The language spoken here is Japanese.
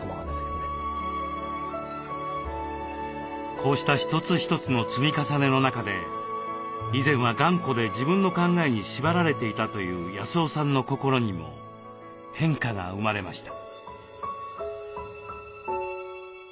こうした一つ一つの積み重ねの中で以前は頑固で自分の考えに縛られていたという康雄さんの心にも変化が生まれました。